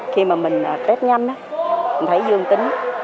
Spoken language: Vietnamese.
khi mà mình test nhanh mình thấy dương tính